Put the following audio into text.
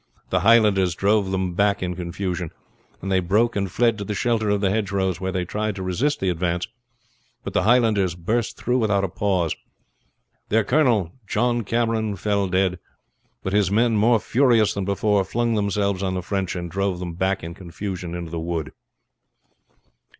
The Highlanders drove them back in confusion, and they broke and fled to the shelter of the hedgerows, where they tried to resist the advance, but the Highlanders burst through without a pause. Their colonel, John Cameron, fell dead; but his men, more furious than before, flung themselves on the French, and drove them back in confusion into the wood.